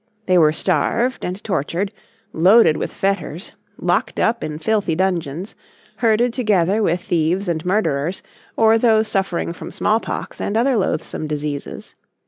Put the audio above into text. They were starved and tortured, loaded with fetters, locked up in filthy dungeons, herded together with thieves and murderers, or those suffering from smallpox and other loathsome diseases.